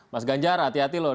mas ganjar hati hati loh